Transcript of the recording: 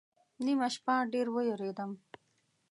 نیمه شپه ډېر ووېرېدم